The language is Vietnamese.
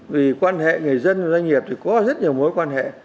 vì quan hệ người dân và doanh nghiệp thì có rất nhiều mối quan hệ